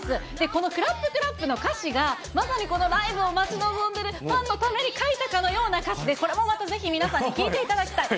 このクラップクラップの歌詞が、まさにこのライブを待ち望んでいるファンのために書いたかのような歌詞で、これもまた皆さんに聴いていただきたい。